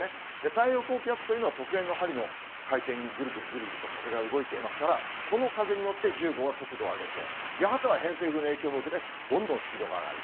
太平洋高気圧というのは時計の針の回転に、ぐるぐるぐるぐると風が動いていますから、この風に乗って１０号は速度を上げて、やがては偏西風の影響も受けて、どんどんスピードが上がる。